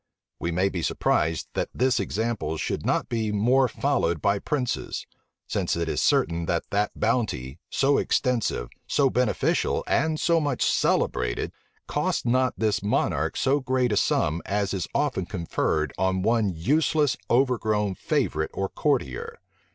We may be surprised that this example should not be more followed by princes; since it is certain that that bounty, so extensive, so beneficial, and so much celebrated, cost not this monarch so great a sum as is often conferred on one useless, overgrown favorite or courtier.